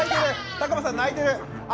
田熊さん泣いてる。